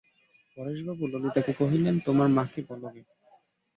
পরেশবাবু ললিতাকে কহিলেন, তোমার মাকে বলো গে।